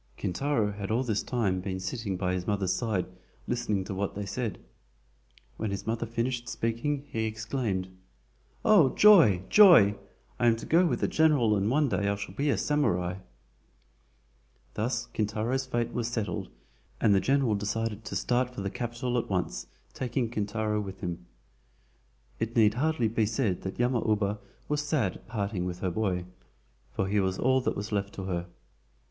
Kintaro had all this time been sitting by his mother's side listening to what they said. When his mother finished speaking, he exclaimed: "Oh, joy! joy! I am to go with the general and one day I shall be a SAMURAI!" Thus Kintaro's fate was settled, and the general decided to start for the Capital at once, taking Kintaro with him. It need hardly be said that Yama uba was sad at parting with her boy, for he was all that was left to her.